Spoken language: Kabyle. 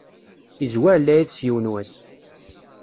Izwer lɛid s yiwen wass.